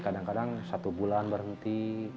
kadang kadang satu bulan berhenti